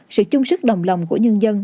sự chung sức đồng lòng của nhân dân